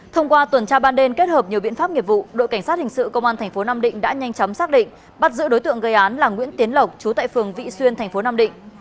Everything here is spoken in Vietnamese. thông qua tuần tra ban đêm kết hợp nhiều biện pháp nghiệp vụ đội cảnh sát hình sự công an tp nam định đã nhanh chóng xác định bắt giữ đối tượng gây án là nguyễn tiến lộc chú tại phường vị xuyên thành phố nam định